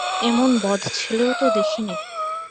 এমন বদ ছেলেও তো দেখি নি।